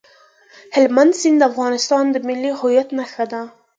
هلمند سیند د افغانستان د ملي هویت نښه ده.